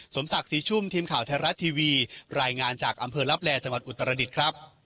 สมศักดิ์ศรีชุ่มทีมข่าวไทยรัฐทีวีรายงานจากอำเภอลับแลจังหวัดอุตรดิษฐ์ครับ